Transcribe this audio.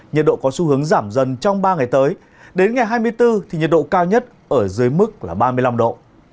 nhiệt độ có xu hướng giảm dần trong ba ngày tới đến ngày hai mươi bốn thì nhiệt độ cao nhất ở dưới mức là ba mươi năm độ